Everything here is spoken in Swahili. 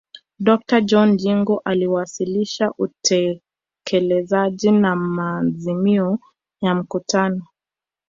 dokta john jingu aliwasilisha utekelezaji wa maazimio ya mkutano